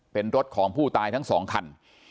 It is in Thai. เป็นรถของผู้ตายทั้งสองคัน